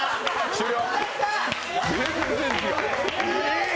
終了。